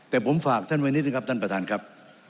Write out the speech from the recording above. แต่ผมฝากท่านไว้นิดหนึ่งครับท่านประธานครับ